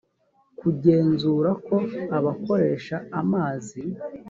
kugenzura ko abakoresha amazi